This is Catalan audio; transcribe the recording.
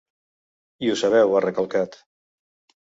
I ho sabeu, ha recalcat.